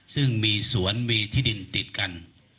ซึ่งมีสวนมีที่ดินติดกัน